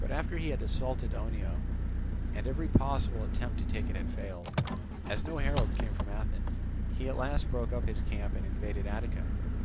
But after he had assaulted Oenoe, and every possible attempt to take it had failed, as no herald came from Athens, he at last broke up his camp and invaded Attica.